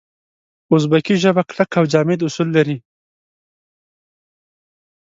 اوزبکي ژبه کلک او جامد اصول لري.